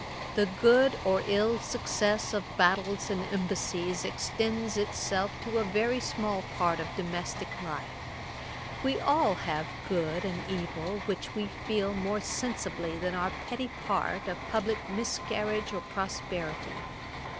The good or ill success of battles and embassies extends itself to a very small part of domestick life: we all have good and evil, which we feel more sensibly than our petty part of publick miscarriage or prosperity.